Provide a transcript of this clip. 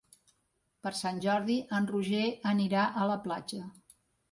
Per Sant Jordi en Roger anirà a la platja.